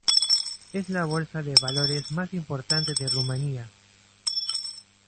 Es la bolsa de valores más importante de Rumanía.